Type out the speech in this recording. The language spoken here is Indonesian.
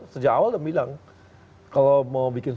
sejak awal udah bilang kalau mau bikin